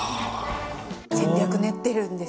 戦略練ってるんです。